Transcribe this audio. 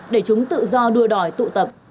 để chúng tự do đua đòi tụ tập